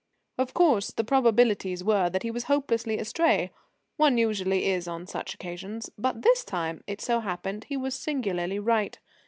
Of course, the probabilities were that he was hopelessly astray one usually is on such occasions but this time, it so happened, he was singularly right.